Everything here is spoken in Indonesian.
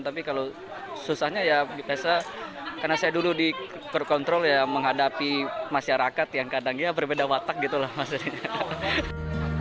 tapi kalau susahnya ya biasanya karena saya dulu di control ya menghadapi masyarakat yang kadangnya berbeda watak gitu lah maksudnya